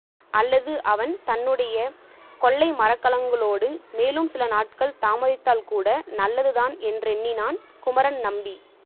அல்லது அவன் தன்னுடைய கொள்ளை மரக்கலங்களோடு மேலும் சில நாட்கள் தாமதித்தால் கூட நல்லதுதான் என்றெண்ணினான் குமரன் நம்பி.